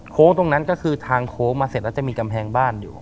ตรงนั้นก็คือทางโค้งมาเสร็จแล้วจะมีกำแพงบ้านอยู่